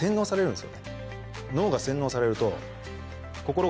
脳が洗脳されると。